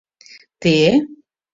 — Те?